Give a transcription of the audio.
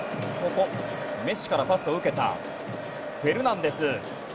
メッシからパスを受けたフェルナンデス。